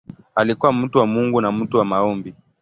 Alikuwa mtu wa Mungu na mtu wa maombi.